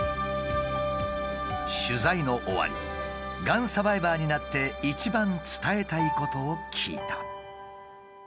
取材の終わりがんサバイバーになって一番伝えたいことを聞いた。